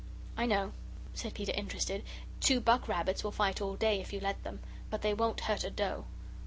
"I know," said Peter, interested; "two buck rabbits will fight all day if you let them, but they won't hurt a doe."